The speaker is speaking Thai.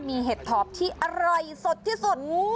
มีเห็ดถอบที่อร่อยสดที่สุด